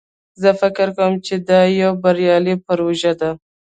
زه فکر کوم چې دا یوه بریالی پروژه ده